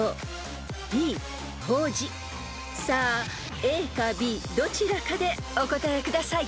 ［さあＡかＢどちらかでお答えください］